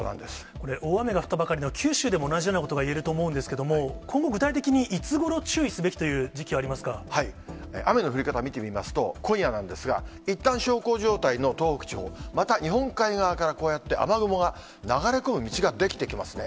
これ、大雨が降ったばかりの九州でも同じようなことがいえると思うんですけれども、今後、具体的にいつごろ、注意すべきという時期はあ雨の降り方、見てみますと、今夜なんですが、いったん小康状態の東北地方、また日本海側からこうやって雨雲が流れ込む道が出来てきますね。